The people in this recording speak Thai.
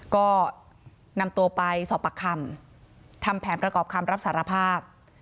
ก็นำตัวไปสอบปากคำทำแผนประกอบคำรับสารภาพ